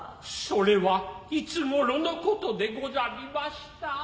それはいつ頃のことでござりました。